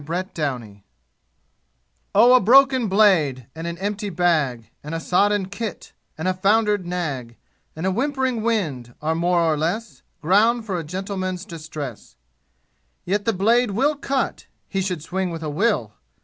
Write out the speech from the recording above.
Chapter VI Oh, a broken blade, And an empty bag, And a sodden kit, And a foundered nag, And a whimpering wind Are more or less Ground for a gentleman's distress. Yet the blade will cut, (He should swing with a will!)